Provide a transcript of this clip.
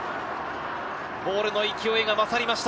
ボールの勢いが勝りました。